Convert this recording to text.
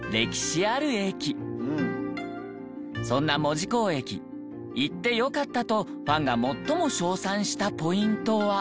そんな門司港駅行ってよかったとファンが最も称賛したポイントは。